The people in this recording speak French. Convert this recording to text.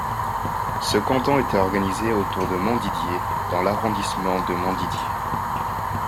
Ce canton était organisé autour de Montdidier dans l'arrondissement de Montdidier.